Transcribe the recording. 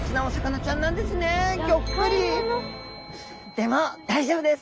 でも大丈夫です。